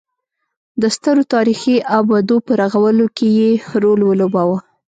د سترو تاریخي ابدو په رغولو کې یې رول ولوباوه.